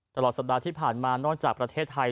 ตลอดสัปดาห์ที่ผ่านมานอกจากประเทศไทย